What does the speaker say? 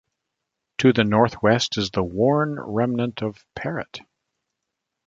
To the northwest is the worn remnant of Parrot.